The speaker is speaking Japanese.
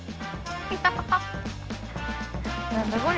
ハハハハ。